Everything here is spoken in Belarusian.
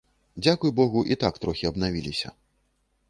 Дзякуй богу, і так трохі абнавіліся.